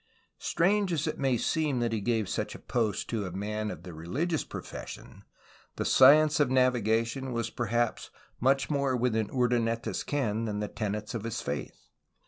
Strange as it may seem that he gave such a post to a man of the religious profession, the science of navigation was per haps much more within Urdaneta's ken than the tenets of his faith.